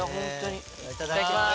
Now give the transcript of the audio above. いただきます。